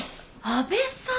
阿部さん！